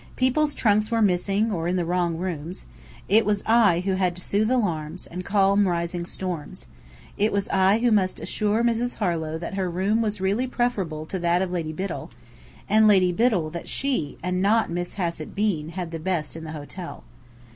People's trunks were missing, or in the wrong rooms. It was I who had to sooth alarms, and calm rising storms. It was I who must assure Mrs. Harlow that her room was really preferable to that of Lady Biddell; and Lady Biddell that she, and not Miss Hassett Bean, had the best in the hotel.